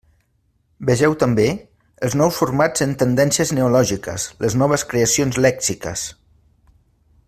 Vegeu també Els nous formants en Tendències neològiques: les noves creacions lèxiques.